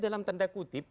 dalam tanda kutip